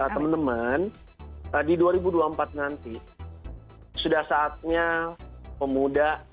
teman teman di dua ribu dua puluh empat nanti sudah saatnya pemuda